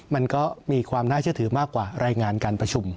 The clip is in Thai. มันก็มีความน่าเชื่อถือมากกว่ารายงานการประชุม